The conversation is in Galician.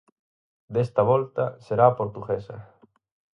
Desta volta, será a portuguesa.